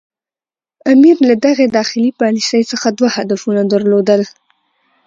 امیر له دغې داخلي پالیسي څخه دوه هدفونه درلودل.